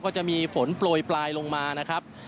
ก็จะมีฝนโปรยปลายลงมานะครับ